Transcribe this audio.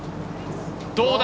どうだ？！